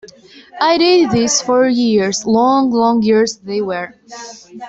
I did this for years; long, long years they were.